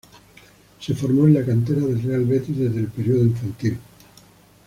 Se formó en la cantera del Real Betis desde el periodo infantil.